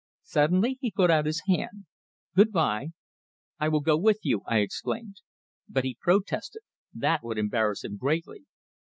Suddenly he put out his hand. "Good bye." "I will go with you!" I exclaimed. But he protested that would embarrass him greatly.